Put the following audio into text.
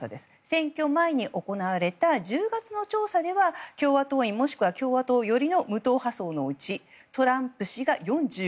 選挙前に行われた１０月の調査では共和党員もしくは共和党の無党派層のうちトランプ氏が４５％